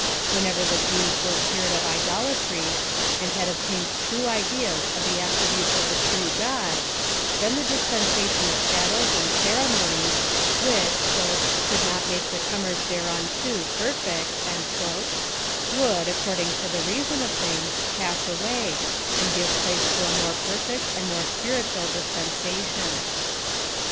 Whenever the Jews were cured of idolatry, and had obtained true ideas of the attributes of the true God, then the dispensation of shadows and ceremonies, which "could net make the comers thereuuto perfect/^ would^ according to IG PHILOSOPHY OP THE the reason of things, pass away, and give place to a more perfect and more spiritual dispensation.